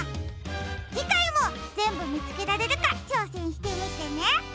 じかいもぜんぶみつけられるかちょうせんしてみてね！